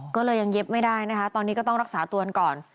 ก็เลยยังเย็บไม่ได้นะคะตอนนี้ก็ต้องรักษาตัวก่อน